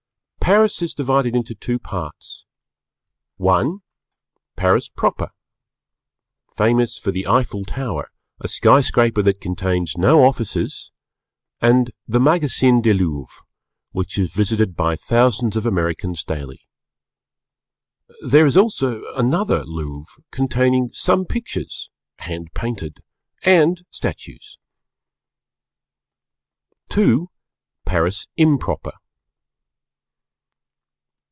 Paris is divided into two parts I. Paris Proper. Famous for The Eiffel tower, a sky scraper that contains no offices and the Magasin de Louvre which is visited by thousands of Americans daily. There is also another Louvre containing some pictures (hand painted) and statues. II. Paris Improper.